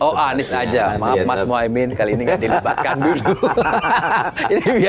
oh anis aja maaf mas mohaimin kali ini nggak dilebakkan dulu